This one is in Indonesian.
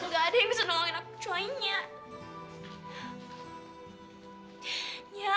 gak ada yang bisa nolongin aku kecuali ayah